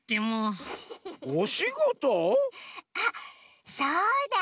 あっそうだ！